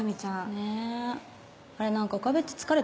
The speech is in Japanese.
ねぇあれ？